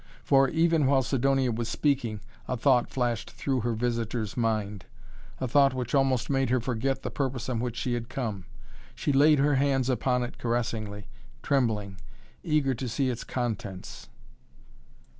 For, even while Sidonia was speaking, a thought flashed through her visitor's mind a thought which almost made her forget the purpose on which she had come. She laid her hands upon it caressingly, trembling, eager to see its contents.